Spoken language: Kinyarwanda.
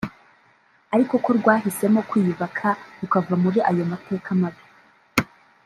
ariko ko rwahisemo kwiyubaka rukava muri ayo mateka mabi